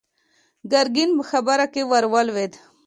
ګرګين په خبره کې ور ولوېد.